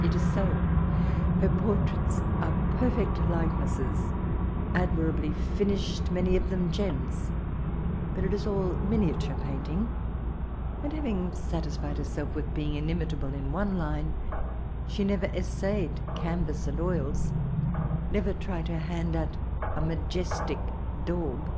It is so: her portraits are perfect likenesses, admirably finished, man^ of them ^ms ; but it is all miniatnre pidnt 10^ ; and havins; satisfied herself with being inimitable in one line, she never essayed canvass and oils; never tried her hand at a majestic daub."